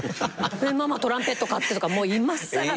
ママトランペット買ってとかもういまさら。